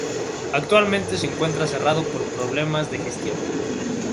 Actualmente se encuentra cerrado por problemas de gestión.